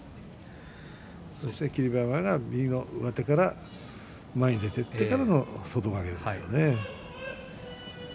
そして、霧馬山が右の上手から前に出ていってからの外掛け。